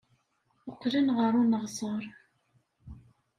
Qqlen ɣer uneɣsar.